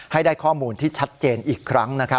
ให้ได้ข้อมูลที่ชัดเจนอีกครั้ง